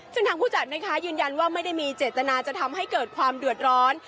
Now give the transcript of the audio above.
ซึ่งทางผู้จัดนะคะยืนยันว่าไม่ได้มีเจตนาจะทำให้เกิดความเดือดร้อน